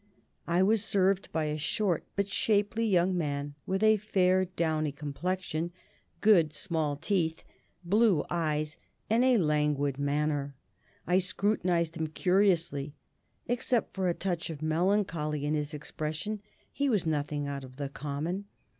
I was served by a short, but shapely, young man, with a fair downy complexion, good, small teeth, blue eyes, and a languid manner. I scrutinised him curiously. Except for a touch of melancholy in his expression, he was nothing out of the common.